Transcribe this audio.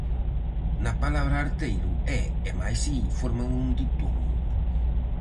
Na palabra 'arteiro' 'e' e mais 'i' forman un ditongo.